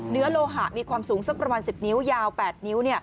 โลหะมีความสูงสักประมาณ๑๐นิ้วยาว๘นิ้ว